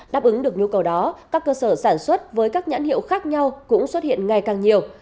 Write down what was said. đáp ứng được nhu cầu đó các cơ sở sản xuất với các nhãn hiệu khác nhau cũng xuất hiện ngày càng nhiều